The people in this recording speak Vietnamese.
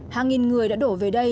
hàng nghìn người đã đổ về đây